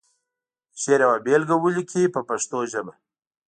د شعر یوه بېلګه ولیکي په پښتو ژبه.